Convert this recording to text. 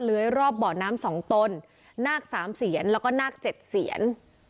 เลยรอบเบาะน้ำสองตนนาคสามเซียนแล้วก็นาคเจ็ดเซียน